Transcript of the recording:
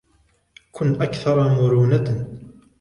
كن اكثر مرونه.